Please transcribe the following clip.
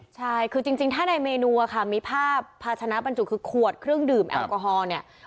ใช่คือจริงถ้าในเมนูอะค่ะมีภาพภาชนะบรรจุคือขวดเครื่องดื่มแอลกอฮอล์เนี่ย